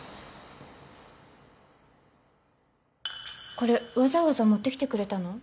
これわざわざ持ってきてくれたの？